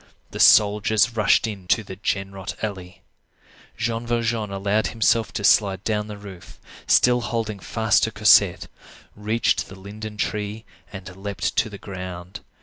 The soldiers rushed into the Genrot alley. Jean Valjean allowed himself to slide down the roof, still holding fast to Cosette, reached the linden tree, and leaped to the ground.